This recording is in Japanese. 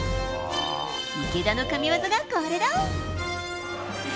池田の神技がこれだ。